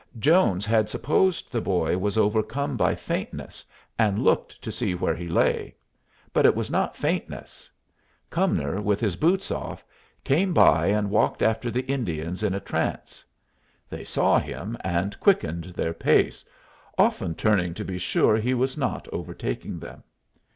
Jones had supposed the boy was overcome by faintness, and looked to see where he lay. But it was not faintness. Cumnor, with his boots off, came by and walked after the Indians in a trance. They saw him, and quickened their pace, often turning to be sure he was not overtaking them.